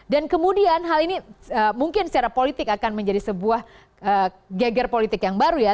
dan kemudian hal ini mungkin secara politik akan menjadi sebuah geger politik yang baru ya